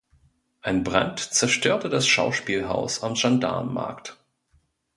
Ein Brand zerstörte das Schauspielhaus am Gendarmenmarkt.